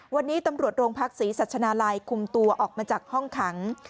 วันนี้ตำรวจโรงพักศรีสัชนาลัยคุมตัวออกมาจากห้องขัง